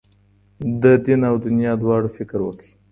د دین او دنیا دواړو فکر وکړئ.